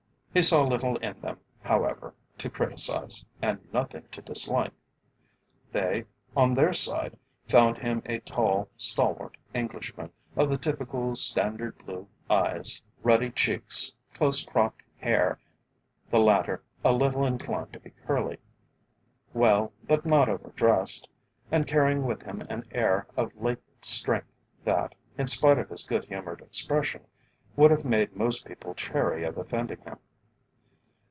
He saw little in them, however, to criticise, and nothing to dislike. They, on their side, found him a tall, stalwart Englishman of the typical standard blue eyes, ruddy cheeks, close cropped hair, the latter a little inclined to be curly, well, but not over dressed, and carrying with him an air of latent strength that, in spite of his good humoured expression, would have made most people chary of offending him.